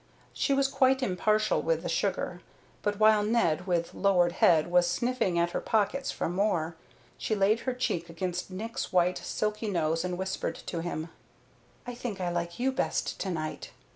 She was quite impartial with the sugar, but while Ned with lowered head was sniffing at her pockets for more, she laid her cheek against Nick's white, silky nose and whispered to him: "I think I like you best to night.